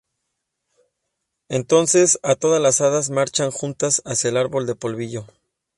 Entonces todas las hadas marchan juntas hacía el árbol del polvillo.